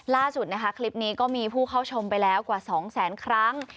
ล่าสุดนะคะคลิปนี้ก็มีผู้เข้าชมไปแล้วกว่า๒แสนครั้ง